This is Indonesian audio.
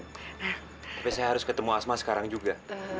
tapi saya harus ketemu asma sekarang juga